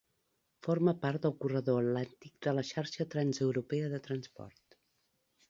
Forma part del Corredor Atlàntic de la Xarxa Transeuropea de Transport.